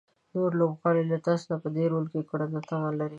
نور لوبغاړي له تاسو په دې رول کې د کړنو تمه لري.